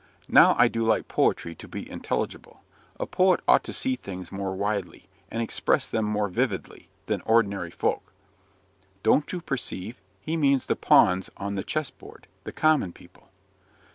"Now I do like poetry to be intelligible. A poet ought to see things more widely, and express them more vividly, than ordinary folk." "Don't you perceive he means the pawns on the chess board the common people."